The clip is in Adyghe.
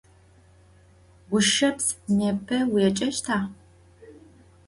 Guşşeps, nêpe vuêceşta?